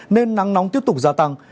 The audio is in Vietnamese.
nên nắng nóng tiếp tục gia tăng